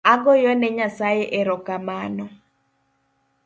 Agoyone Nyasaye erokamano